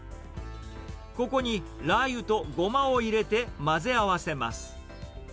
ここにラー油とゴマを入れて混ぜ合わせます。